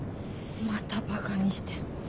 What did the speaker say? またバカにして。